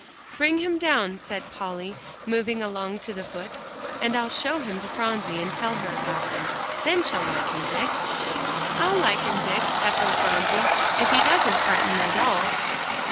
"Bring him down," said Polly, moving along to the foot, "and I'll show him to Phronsie, and tell her about him. Then she'll like him, Dick." "I'll like him, Dick," echoed Phronsie, "if he doesn't frighten my dolls."